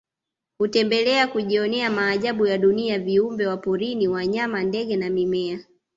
Hutembelea kujionea maajabu ya dunia viumbe wa porini wanyama ndege na mimea